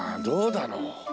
どうだろう？